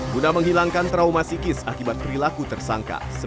guna menghilangkan trauma psikis akibat perilaku tersangka